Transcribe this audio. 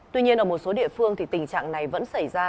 tuy nhiên ở một số địa phương thì tình trạng này vẫn xảy ra